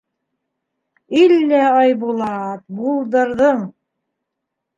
— Иллә, Айбулат, булдырҙың!